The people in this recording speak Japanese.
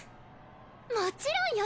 もちろんよ！